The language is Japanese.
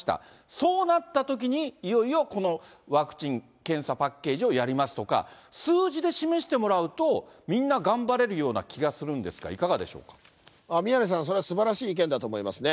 そうなったときに、いよいよこのワクチン・検査パッケージをやりますとか、数字で示してもらうと、みんな頑張れるような気がするんですが、いかがで宮根さん、それはすばらしい意見だと思いますね。